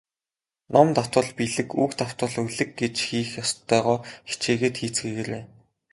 Ном давтвал билиг, үг давтвал улиг гэж хийх ёстойгоо хичээгээд хийцгээгээрэй.